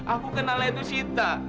aku kenalnya itu sita